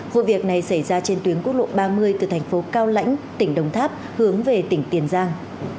vụ việc này xảy ra trên tuyến quốc lộ ba mươi từ thành phố cao lãnh tỉnh đồng tháp hướng về tỉnh tiền giang